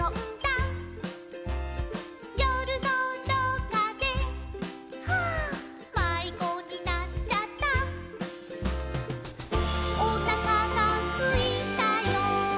「よるのろうかではぁまいごになっちゃった」「おなかがすいたよ